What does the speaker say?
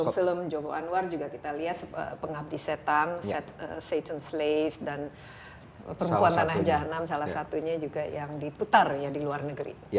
film joko anwar juga kita lihat pengabdi setan setan slave dan perempuan tanah jahanam salah satunya juga yang diputar ya di luar negeri